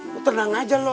lu tenang aja loh